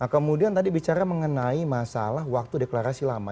nah kemudian tadi bicara mengenai masalah waktu deklarasi lama